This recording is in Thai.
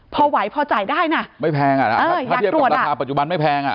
พอไหวพอจ่ายได้นะไม่แพงถ้าเกี่ยวกับรัฐฐานปัจจุบันไม่แพง